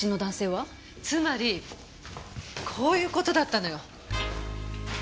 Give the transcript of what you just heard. つまりこういう事だったのよ。